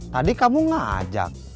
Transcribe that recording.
tadi kamu ngajak